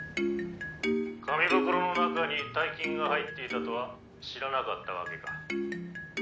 「紙袋の中に大金が入っていたとは知らなかったわけか」